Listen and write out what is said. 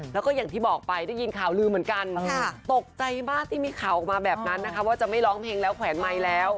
แล้วก็อย่างที่บอกไปได้ยินข่าวลือเหมือนกันตกใจมากที่มีข่าวออกมาแบบนั้นนะคะว่าจะไม่ร้องเพลงแล้วแขวนไมค์แล้ว